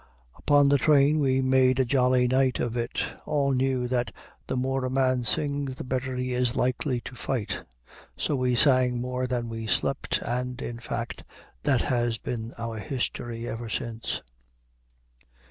Upon the train we made a jolly night of it. All knew that the more a man sings, the better he is likely to fight. So we sang more than we slept, and, in fact, that has been our history ever since.